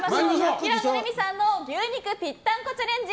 平野レミさんの牛肉ぴったんこチャレンジ